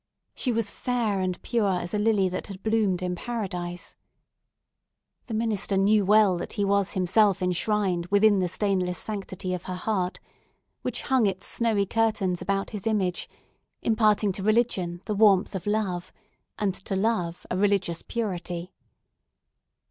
She was fair and pure as a lily that had bloomed in Paradise. The minister knew well that he was himself enshrined within the stainless sanctity of her heart, which hung its snowy curtains about his image, imparting to religion the warmth of love, and to love a religious purity.